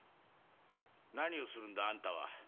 何をするんだあんたは。